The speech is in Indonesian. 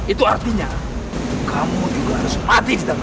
itu artinya kamu juga harus mati di dalamnya